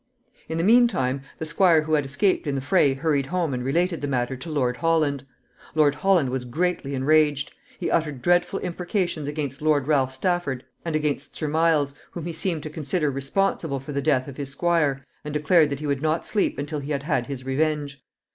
In the mean time, the squire who had escaped in the fray hurried home and related the matter to Lord Holland. Lord Holland was greatly enraged. He uttered dreadful imprecations against Lord Ralph Stafford and against Sir Miles, whom he seemed to consider responsible for the death of his squire, and declared that he would not sleep until he had had his revenge.